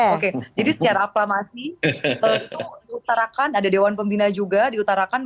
oke jadi secara aklamasi tentu diutarakan ada dewan pembina juga diutarakan